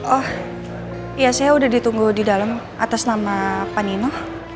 oh iya saya udah ditunggu di dalam atas nama panino